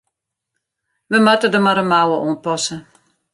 We moatte der mar in mouwe oan passe.